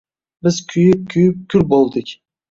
Biz kuyib-kuyib... kul bo‘ldik!